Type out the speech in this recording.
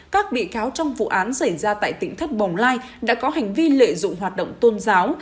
các bị cáo trong vụ án xảy ra tại tỉnh thất bồng lai đã có hành vi lợi dụng hoạt động tôn giáo